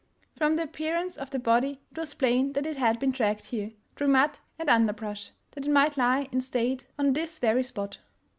From the appear ance of the body it was plain that it had been dragged here, through mud and underbrush, that it might lie in state on this very spot.